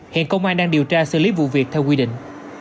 hiện công an đang điều tra xử lý vụ việc theo quy định